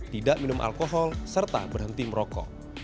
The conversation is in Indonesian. tidak minum alkohol serta berhenti merokok